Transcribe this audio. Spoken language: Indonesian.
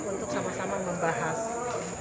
untuk sama sama membahas